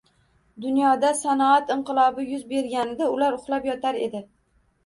Dunyoda sanoat inqilobi yuz berganida ular uxlab yotar edi